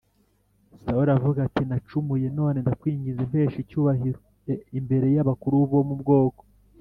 Sawuli aravuga ati nacumuye None ndakwinginze mpesha icyubahiro e imbere y abakuru bo mu bwoko